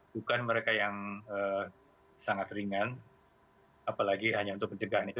bukan mereka yang sangat ringan apalagi hanya untuk pencegahan itu